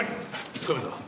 カメさん